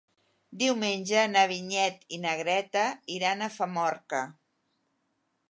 Diumenge na Vinyet i na Greta iran a Famorca.